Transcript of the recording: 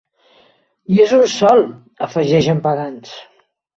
I és un sol —afegeix en Pagans.